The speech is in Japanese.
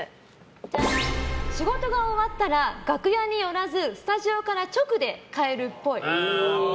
仕事が終わったら楽屋に寄らずスタジオから直で帰るっぽい。